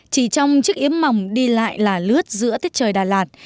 chỉ trong chiếc yếm mỏng đi lại là lướt giữa tiết trời đà lạt